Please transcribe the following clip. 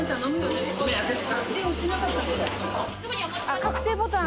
あっ確定ボタン。